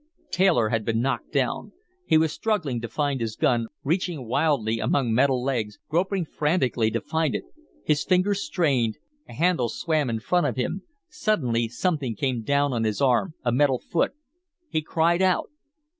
Taylor had been knocked down. He was struggling to find his gun, reaching wildly among metal legs, groping frantically to find it. His fingers strained, a handle swam in front of him. Suddenly something came down on his arm, a metal foot. He cried out.